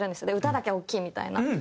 で歌だけ大きいみたいな。